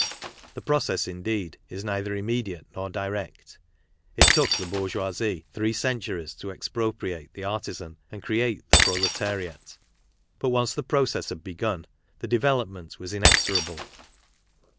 The process, indeed, is neither immediate nor direct. It took the bourgeoisie' three centuries to expropriate the artisan and create the proletariat. But once the process had begun, the development was inexorable.